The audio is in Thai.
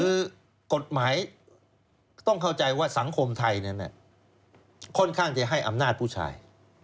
คือกฎหมายต้องเข้าใจว่าสังคมไทยนั้นค่อนข้างจะให้อำนาจผู้ชาย